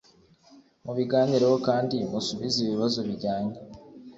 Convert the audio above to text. mu biganireho kandi musubize ibibazo bijyanye